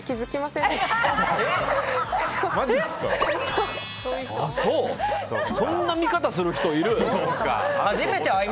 そんな見方する人いる？